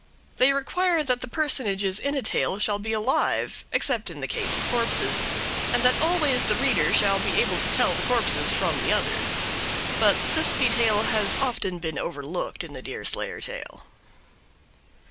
They require that the personages in a tale shall be alive, except in the case of corpses, and that always the reader shall be able to tell the corpses from the others. But this detail has often been overlooked in the Deerslayer tale.